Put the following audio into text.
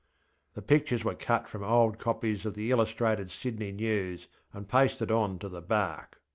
ŌĆÖ The pictures were cut from old copies of the Illustrated Sydney News and pasted on to the bark.